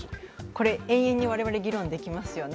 これ、延々に我々、議論できますよね。